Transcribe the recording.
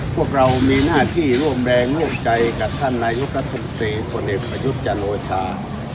พวกเรามีหน้าที่ร่วมแรงงวกใจกับท่านนายุทธรรมดิ์คนเหตุประยุทธจันโฌชา